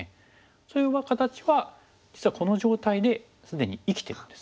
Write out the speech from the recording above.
それは形は実はこの状態で既に生きてるんです。